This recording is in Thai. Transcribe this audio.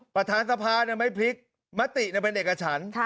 ประธานสภาไม่พลิกมติเป็นเอกฉัน